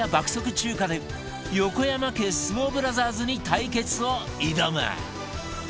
中華で横山家相撲ブラザーズに対決を挑む